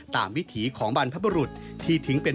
วิถีของบรรพบุรุษที่ทิ้งเป็น